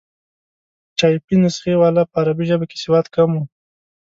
ټایپي نسخې والا په عربي ژبه کې سواد کم وو.